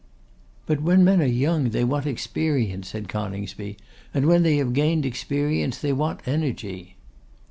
'But when men are young they want experience,' said Coningsby; 'and when they have gained experience, they want energy.